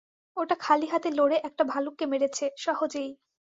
ওটা খালি হাতে লড়ে একটা ভালুককে মেরেছে, সহজেই।